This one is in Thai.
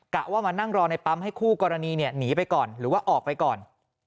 ว่ามานั่งรอในปั๊มให้คู่กรณีหนีไปก่อนหรือว่าออกไปก่อน